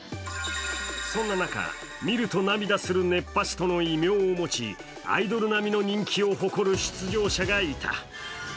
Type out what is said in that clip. そんな中、見ると涙する熱波師との異名を持ち、アイドル並みの人気を誇る出場者がいた。